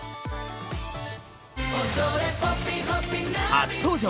初登場！